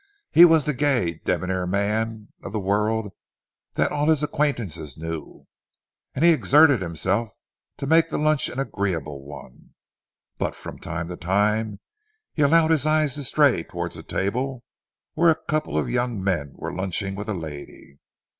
He was the gay, debonair man of the world that all his acquaintances knew, and he exerted himself to make the lunch an agreeable one. But from time to time, he allowed his eyes to stray towards a table where a couple of young men were lunching with a lady.